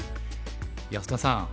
安田さん